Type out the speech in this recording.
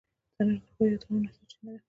تنور د ښو یادونو سرچینه ده